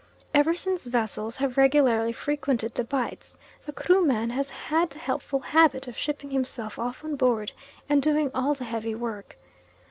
Ever since vessels have regularly frequented the Bights, the Kruman has had the helpful habit of shipping himself off on board, and doing all the heavy work.